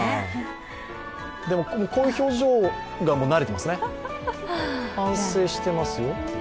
でも、こういう表情が慣れてますね。